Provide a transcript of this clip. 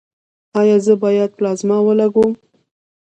ایا زه باید پلازما ولګوم؟